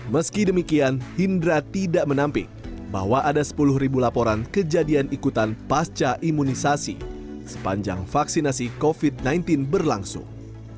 meski demikian hindra tidak menampik bahwa ada sepuluh ribu laporan kejadian ikutan pasca imunisasi sepanjang vaksinasi covid sembilan belas berlangsung